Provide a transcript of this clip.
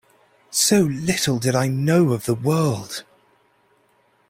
So little did I know of the world!